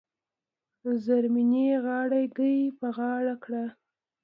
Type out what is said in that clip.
زرمینې غاړه ګۍ په غاړه کړه .